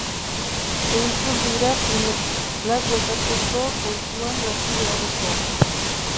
Zeintzuk dira finalaz gozatzeko kontuan hartu beharrekoak?